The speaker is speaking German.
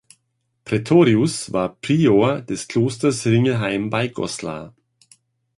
Praetorius war Prior des Klosters Ringelheim bei Goslar.